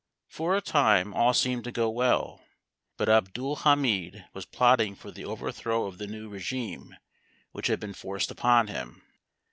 For a time all seemed to go well, but Abdul Hamid was plotting for the overthrow of the new régimé which had been forced upon him.